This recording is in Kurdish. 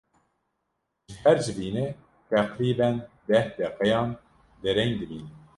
Ji her civînê teqrîben deh deqeyan dereng dimîne.